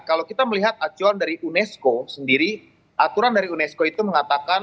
kalau kita melihat acuan dari unesco sendiri aturan dari unesco itu mengatakan